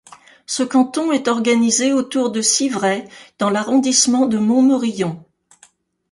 Ce canton est organisé autour de Civray dans l'arrondissement de Montmorillon.